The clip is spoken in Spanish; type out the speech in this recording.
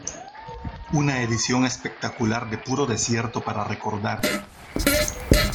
Una edición espectacular de puro desierto para recordar.